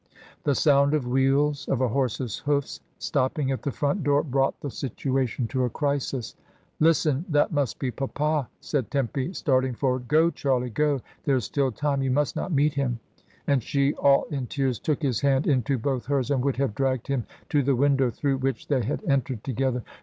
The sound of wheels, of a horse's hoofs stop ping at the front door, brought the situation to a crisis. "Listen! That must be papa," said Tempy, starting forward. "Go, Charlie, go! there is still time! You must not meet him!" and she, all in tears, took his hand into both hers, and would have dragged him to the window through which they had entered together.